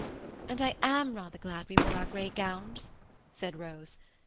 "And I am rather glad we wore our grey gowns," said Rose.